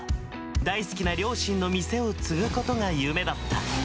大好きな両親の店を継ぐことが夢だった。